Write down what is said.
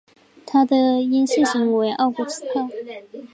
它的阴性型为奥古斯塔。